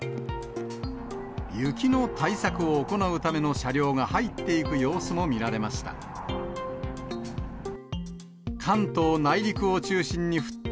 雪の対策を行うための車両が入っていく様子も見られました。